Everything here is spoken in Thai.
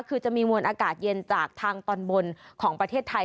คือจะมีมวลอากาศเย็นจากทางตอนบนของประเทศไทย